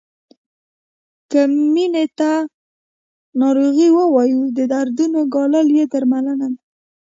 که مینې ته ناروغي ووایو د دردونو ګالل یې درملنه ده.